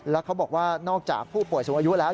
แล้วเขาบอกว่านอกจากผู้ป่วยสูงอายุแล้ว